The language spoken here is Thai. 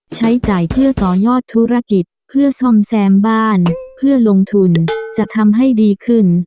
ใช้จ่ายเพื่อต่อยอดธุรกิจเพื่อซ่อมแซมบ้านเพื่อลงทุนจะทำให้ดีขึ้น